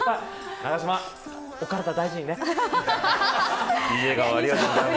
永島、お体大事にね。